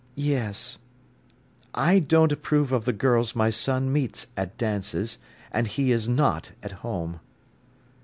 "Yes." "I don't approve of the girls my son meets at dances. And he is not at home."